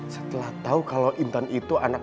setelah tahu kalau intan itu anak